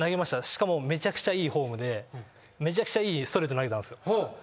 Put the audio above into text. しかもめちゃくちゃいいフォームでめちゃくちゃいいストレート投げたんですよ。